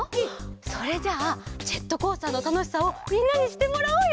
それじゃあジェットコースターのたのしさをみんなにしってもらおうよ！